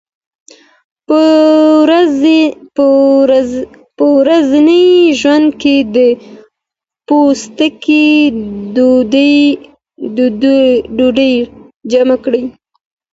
په ورځني ژوند کې د پوستکي دوړې جمع کېږي.